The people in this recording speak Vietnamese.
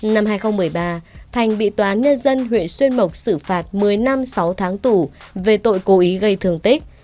năm hai nghìn một mươi ba thành bị tòa án nhân dân huyện xuyên mộc xử phạt một mươi năm sáu tháng tù về tội cố ý gây thương tích